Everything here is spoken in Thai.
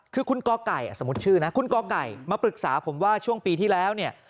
คือคุณกไก่สมมุติชื่อนะคุณกไก่มาปรึกษาผมว่าช่วงปีที่แล้วเนี่ย